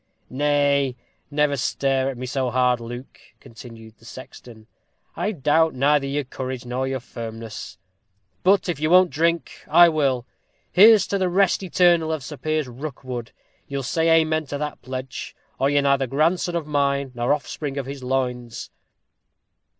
"Nay, never stare at me so hard, Luke," continued the sexton; "I doubt neither your courage nor your firmness. But if you won't drink, I will. Here's to the rest eternal of Sir Piers Rookwood! You'll say amen to that pledge, or you are neither grandson of mine, nor offspring of his loins."